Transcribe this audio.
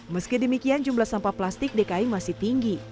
meski demikian jumlah sampah plastik dki masih tinggi